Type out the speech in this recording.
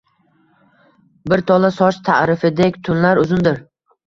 Bir tola soch ta’rifidek tunlar uzundir